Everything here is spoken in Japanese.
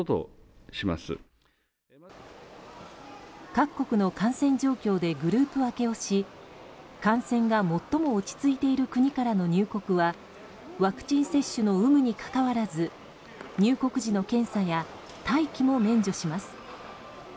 各国の感染状況でグループ分けをし感染が最も落ち着いている国からの入国はワクチン接種の有無にかかわらず入国時の検査や待機も免除します。